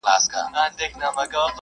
استادان او شاگردان یې دهقانان کړل `